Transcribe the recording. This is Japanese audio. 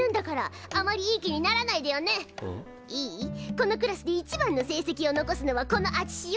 このクラスでいちばんの成績を残すのはこのあちしよ。